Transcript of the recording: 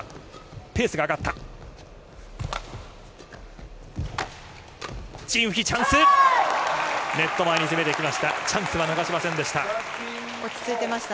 ペースが上がった。